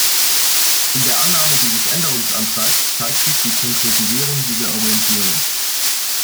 In der Annahme dieses Änderungsantrags zeigt sich die Konkretisierung dieser Orientierung.